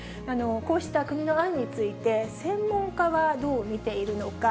こうした国の案について、専門家はどう見ているのか。